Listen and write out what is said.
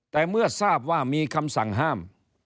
แต่เมื่อทราบว่ามีคำสั่งห้าม